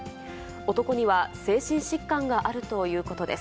男には精神疾患があるということです。